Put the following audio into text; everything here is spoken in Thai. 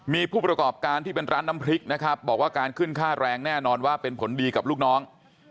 มีผู้ประกอบการที่เป็นร้านน้ำพริกนะครับบอกว่าการขึ้นค่าแรงแน่นอนว่าเป็นผลดีกับลูกน้อง